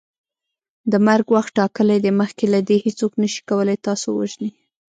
د مرګ وخت ټاکلی دی مخکي له دې هیڅوک نسي کولی تاسو ووژني